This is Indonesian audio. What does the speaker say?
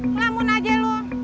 kelamun aja lo